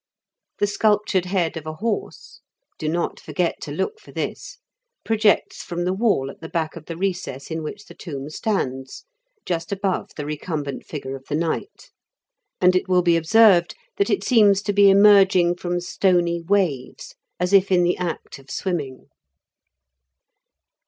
The sculptured head of a horse — do not forget to look for this — ^projects from the wall at the back of the recess in which the tomb stands, just above the recumbent figure of the knight; and it will be observed that it seems to be emerging 80 m KENT WITH 0EABLE8 DICKENS. from Stony waves, as if in the act of swimming.